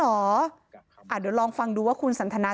เดี๋ยวลองฟังดูว่าคุณสันทนา